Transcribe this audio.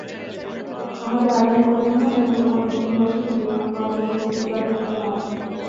আমাদের আগামী প্রজন্ম যেন তোমার নতুন বছরকে নির্মাণ করার জন্য প্রতিজ্ঞাদীপ্ত হয়।